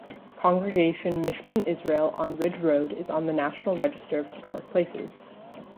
Congregation Mishkan Israel on Ridge Road is on the National Register of Historic Places.